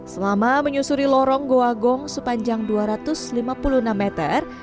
selama menyusuri lorong goa gong sepanjang dua ratus lima puluh enam meter